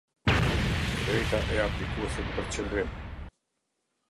E drejta e aplikuesit për qëndrim.